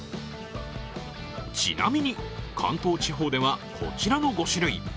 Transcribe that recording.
ちなみに、関東地方ではこちらの５種類。